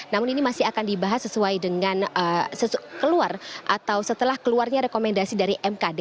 namun ini masih akan dibahas sesuai dengan keluar atau setelah keluarnya rekomendasi dari mkd